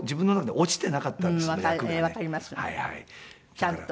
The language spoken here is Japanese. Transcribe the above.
ちゃんと。